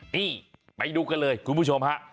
นี่ไปดูกันเลยคุณผู้ชมฮะ